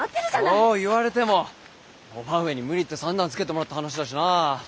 そう言われても伯母上に無理言って算段つけてもらった話だしなぁ。